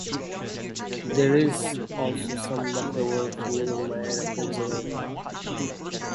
There is also some leftover food in my refrigerator.